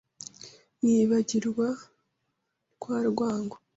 Nkibagirwa rwa rwango